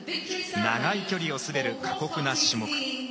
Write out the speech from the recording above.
長い距離を滑る過酷な種目。